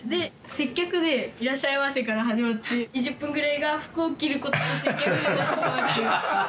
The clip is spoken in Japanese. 接客で「いらっしゃいませ」から始まって２０分ぐらいが服を着ることで接客になってしまうっていう。